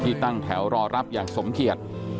ที่ตั้งแถวรอรับอย่างสมเขต